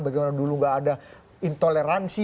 bagaimana dulu nggak ada intoleransi